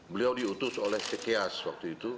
beliau diutus oleh cekias waktu itu